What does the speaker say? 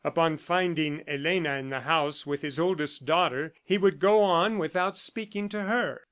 Upon finding Elena in the house with his older daughter, he would go on without speaking to her.